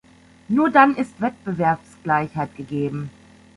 Nur dann ist Wettbewerbsgleichheit gegeben.